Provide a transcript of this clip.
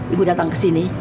ibu datang kesini